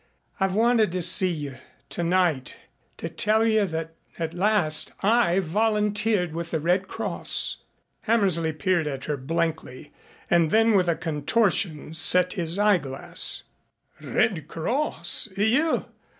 "I've wanted to see you tonight to tell you that at last I've volunteered with the Red Cross." Hammersley peered at her blankly and then with a contortion set his eyeglass. "Red Cross you!